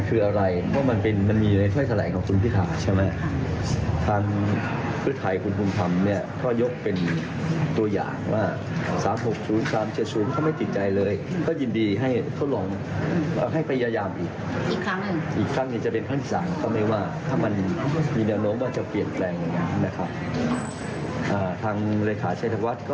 เอาฟังคุณหมอชวนด้านวันนี้หน่อยนะฮะ